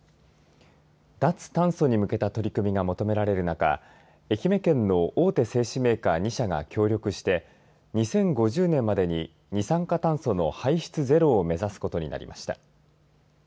脱炭素に向けた取り組みが求められる中愛媛県の大手製紙メーカー２社が協力して２０５０年までに二酸化炭素の排出ゼロを目指すことになりました。